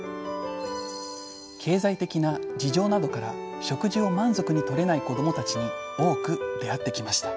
経済的な事情などから食事を満足にとれない子どもたちに多く出会ってきました。